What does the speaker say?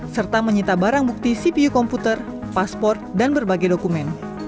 serta menyita barang bukti cpu komputer pasport dan berbagai dokumen